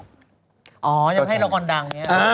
อ๋อยังให้ละครดัง